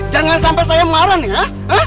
jangan sampai saya marah nih ya